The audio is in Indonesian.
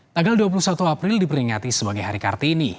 tanggal dua puluh satu april diperingati sebagai hari kartini